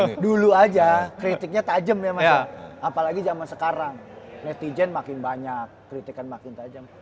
masih sekarang nih mas howie dulu aja kritiknya tajam ya mas howie apalagi jaman sekarang netizen makin banyak kritikan makin tajam